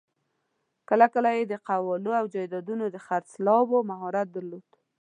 کله کله یې د قوالو او جایدادونو د خرڅلاوو مهارت درلود.